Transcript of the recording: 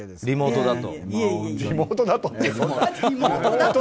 リモートだとって。